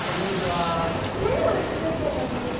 なにをつくってるんですか？